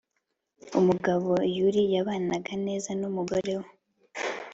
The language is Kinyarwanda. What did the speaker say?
umugabo yuli yabanaga neza n'umugore we